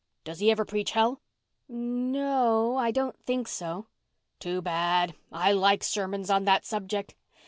Does he ever preach hell?" "No—o—o—I don't think so." "Too bad. I like sermons on that subject.